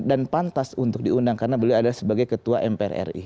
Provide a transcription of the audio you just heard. dan pantas untuk diundang karena beliau adalah sebagai ketua mprri